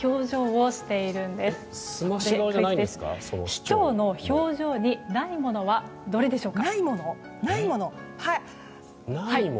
仕丁の表情にないものはどれでしょうか。